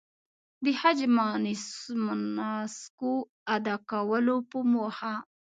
د حج د مناسکو ادا کولو په موخه.